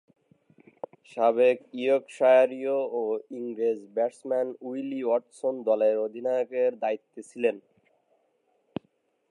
সাবেক ইয়র্কশায়ারীয় ও ইংরেজ ব্যাটসম্যান উইলি ওয়াটসন দলের অধিনায়কের দায়িত্বে ছিলেন।